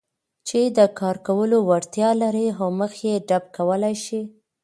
چې د کار کولو وړتیا لري او مخه يې ډب کولای شي.